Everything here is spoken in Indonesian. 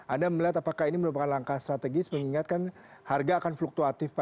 anda melihat apakah ini merupakan langkah strategis mengingatkan harga akan fluktuatif